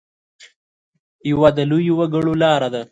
یوه د لویو وګړو لاره ده.